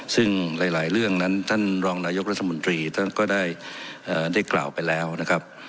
ซึ่งหลายเรื่องนั้นท่านรองนายกรัฐมนตรีท่านก็ได้กล่าวไปแล้วนะครับ